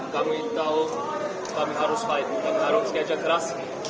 dua ribu dua puluh empat kami tahu kami harus fight kami harus kejar keras